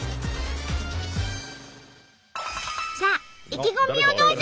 さあ意気込みをどうぞ！